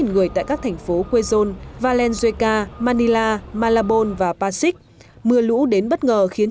chín người tại các thành phố quezon valenzuela manila malabon và pasig mưa lũ đến bất ngờ khiến